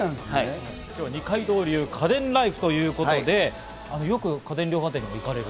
今日は二階堂流家電ＬＩＦＥということで、よく家電量販店に行かれる？